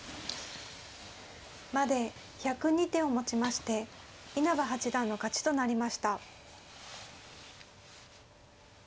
まで１０２手をもちまして稲葉八段の勝ちとなりました。